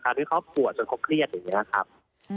เขาปวดจนเขาเครียดอย่างนี้นะครับ